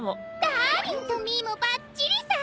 ダーリンとミーもばっちりさ。